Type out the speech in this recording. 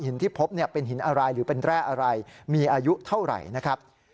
ที่พบเป็นหินอะไรหรือเป็นแร่อะไรมีอายุเท่าไหร่นะครับ